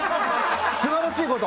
素晴らしいこと。